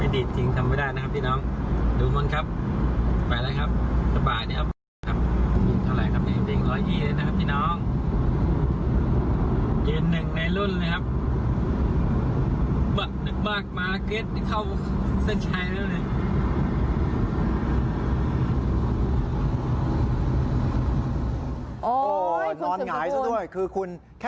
ดูรถห้วงเมื่อง